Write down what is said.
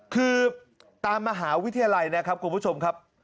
คือตามมหาวิทยาลัยนะครับคุณผู้ชมครับ